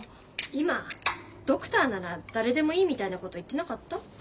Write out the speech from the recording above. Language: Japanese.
今ドクターなら誰でもいいみたいなこと言ってなかった？